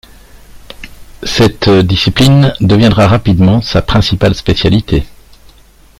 Cette discipline deviendra rapidement sa principale spécialité.